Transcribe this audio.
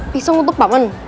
pisau untuk paman